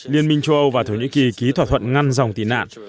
liên minh châu âu và thổ nhĩ kỳ ký thỏa thuận ngăn dòng tị nạn